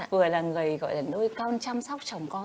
người là người gọi là nuôi con chăm sóc chồng con